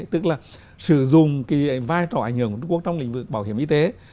tức là sử dụng cái vai trò ảnh hưởng của trung quốc trong lĩnh vực bảo hiểm y tế